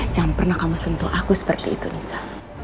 jangan pernah kamu sentuh aku seperti itu nisa